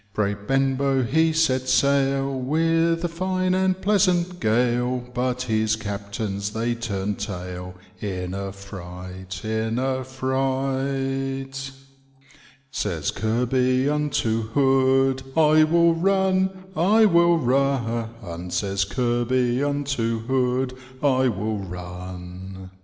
Braye Benbow he set sail, With a fine and pleasant gale, But his captains they turn'd tail, In a fright, in a fright " Says Kirby unto Hood, *I will run, I will run ;' Says Kirby unto Hood, • I will run.